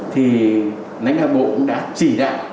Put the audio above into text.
thì nánh hạ bộ cũng đã chỉ đại